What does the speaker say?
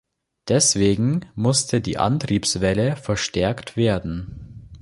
Deswegen musste die Antriebswelle verstärkt werden.